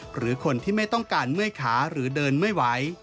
หรือคนที่ไม่ต้องการเมื่อยขาหรือเดินไม่ไหว